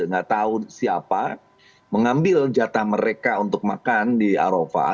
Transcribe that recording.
nggak tahu siapa mengambil jatah mereka untuk makan di arofa